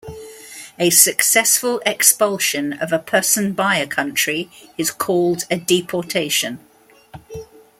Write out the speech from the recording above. A successful expulsion of a person by a country is called a deportation.